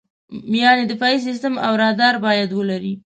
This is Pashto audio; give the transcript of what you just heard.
یعنې دفاعي سیستم او رادار باید ولرې.